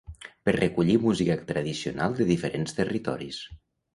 per recollir música tradicional de diferents territoris